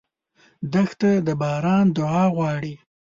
دښته د باران دعا غواړي.